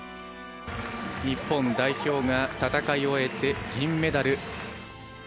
日本代表が戦いを終えて、銀メダル。